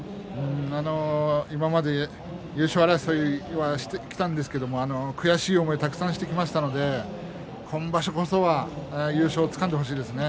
今まで優勝争いはしてきたんですけれども悔しい思いをたくさんしてきましたので今場所こそはね優勝をつかんでほしいですね。